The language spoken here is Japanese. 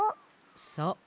そう。